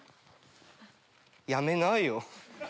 やめないよ。